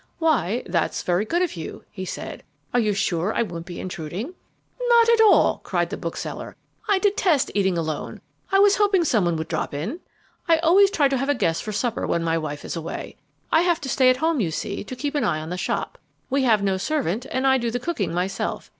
"Why that's very good of you," he said. "Are you sure I won't be intruding?" "Not at all!" cried the bookseller. "I detest eating alone: I was hoping someone would drop in. I always try to have a guest for supper when my wife is away. I have to stay at home, you see, to keep an eye on the shop. We have no servant, and I do the cooking myself.